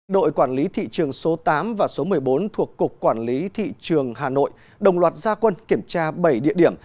đội quản lý thị trường số tám và số một mươi bốn thuộc cục quản lý thị trường hà nội đồng loạt gia quân kiểm tra bảy địa điểm